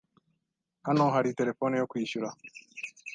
Hano hari terefone yo kwishyura.